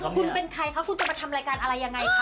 คุณเป็นใครคะคุณจะมาทำรายการอะไรยังไงคะ